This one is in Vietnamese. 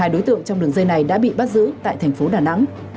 một mươi hai đối tượng trong đường dây này đã bị bắt giữ tại thành phố đà nẵng